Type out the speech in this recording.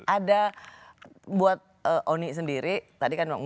ada buat oni sendiri tadi kan